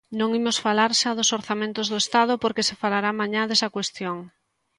Non imos falar xa dos orzamentos do Estado porque se falará mañá desa cuestión.